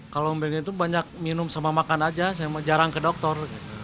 kalau membagi itu banyak minum sama makan aja jarang ke dokter